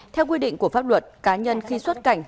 theo quy định của pháp luật cá nhân khi xuất cảnh